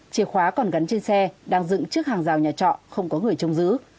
chìa khóa còn gắn trên xe đang dựng trước hàng rào nhà trọ không có người trông giữ